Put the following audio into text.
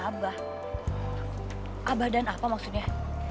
abah abah dan apa maksudnya